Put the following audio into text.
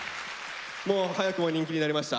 もう早くも人気になりました。